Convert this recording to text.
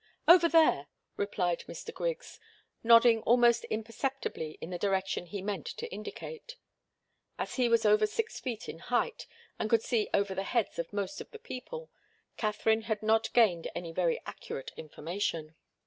"Over there," replied Mr. Griggs, nodding almost imperceptibly in the direction he meant to indicate. As he was over six feet in height, and could see over the heads of most of the people, Katharine had not gained any very accurate information.